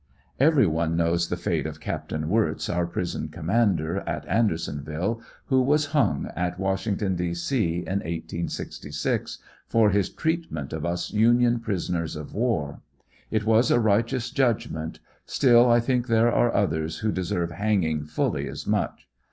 Every one knows the fate of Capt. Wirtz, our prison commander at Andersonville, who was hung at Washington, D. C, in 1866, for his treatment of us Union prisoners of war. It was a righteous judg ment, still I think there are others who deserved hanging fully as much.